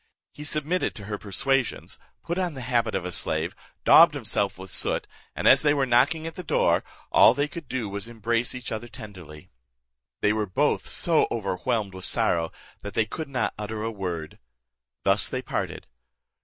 He submitted to her persuasions, put on the habit of a slave, daubed himself with soot, and as they were knocking at the door, all they could do was to embrace each other tenderly. They were both so overwhelmed with sorrow, that they could not utter a word. Thus they parted.